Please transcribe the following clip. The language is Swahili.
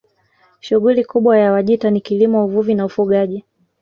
Shughuli kubwa ya Wajita ni kilimo uvuvi na ufugaji